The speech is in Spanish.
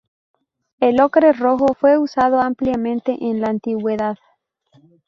El ocre rojo fue usado ampliamente en la antigüedad.